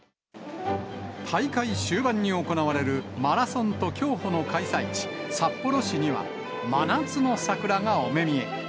大会終盤に行われるマラソンと競歩の開催地、札幌市には、真夏の桜がお目見え。